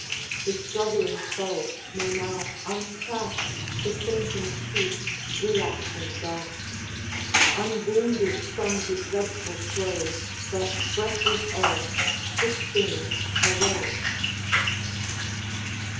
The struggling foe may now unclasp The fainting Chief's relaxing grasp; Unwounded from the dreadful close, But breathless all, Fitz James arose.